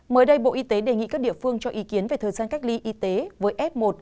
mới đây bộ y tế đề nghị các địa phương cho ý kiến về thời gian cách ly y tế với f một